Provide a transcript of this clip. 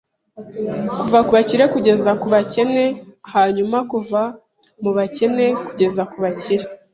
Kuva ku bakire kugeza ku bakene hanyuma kuva mu bakene kugera ku bakire